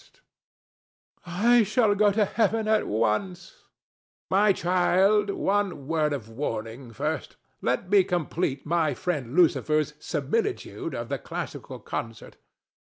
ANA. I shall go to heaven at once. THE STATUE. My child; one word of warning first. Let me complete my friend Lucifer's similitude of the classical concert.